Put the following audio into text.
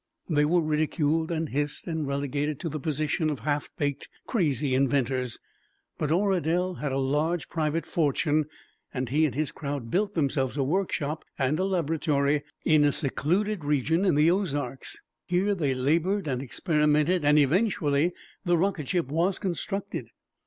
They were ridiculed and hissed and relegated to the position of half baked, crazy inventors. But Oradel had a large private fortune, and he and his crowd built themselves a workshop and laboratory in a secluded region in the Ozarks. Here they labored and experimented and eventually the rocket ship was constructed.